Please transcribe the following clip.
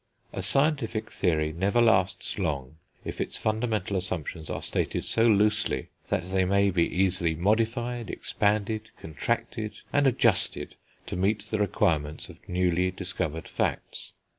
A scientific theory never lasts long if its fundamental assumptions are stated so loosely that they may be easily modified, expanded, contracted, and adjusted to meet the requirements of newly discovered facts.